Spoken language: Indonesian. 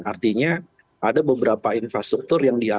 artinya ada beberapa infrastruktur yang diatur